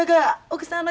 奥さん